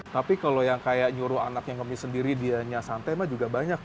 tapi kalau yang kayak nyuruh anaknya ngemis sendiri dianya santai emak juga banyak ya